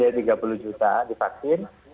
dari tiga puluh juta divaksin